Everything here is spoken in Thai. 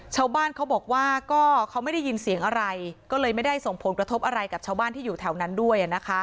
ชาวบ้านเขาบอกว่าก็เขาไม่ได้ยินเสียงอะไรก็เลยไม่ได้ส่งผลกระทบอะไรกับชาวบ้านที่อยู่แถวนั้นด้วย